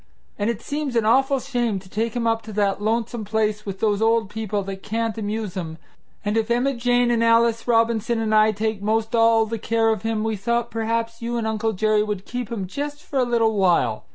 And it seems an awful shame to take him up to that lonesome place with those old people that can't amuse him, and if Emma Jane and Alice Robinson and I take most all the care of him we thought perhaps you and Uncle Jerry would keep him just for a little while.